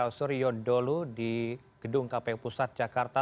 osorio dolo di gedung kpu pusat jakarta